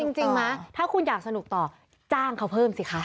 จริงมั้ยถ้าคุณอยากสนุกต่อจ้างเขาเพิ่มสิคะ